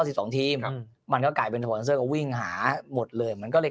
สิบสองทีมอืมมันก็กลายเป็นก็วิ่งหาหมดเลยมันก็เลย